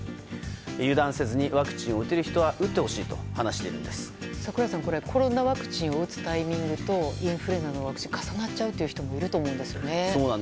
油断せずにワクチンを打てる人は打ってほしいと櫻井さん、コロナワクチンを打つタイミングとインフルエンザンのワクチン重なっちゃうという人もいると思うんですよね。